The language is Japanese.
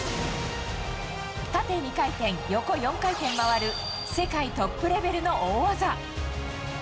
縦２回転、横４回転回る世界トップレベルの大技。